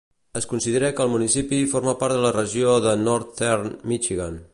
Es considera que el municipi forma part de la regió de Northern Michigan.